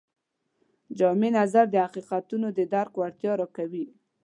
جامع نظر د حقیقتونو د درک وړتیا راکوي.